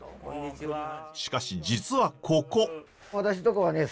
しかし実はここ。